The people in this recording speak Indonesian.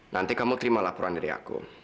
nanti kamu terima laporan dari aku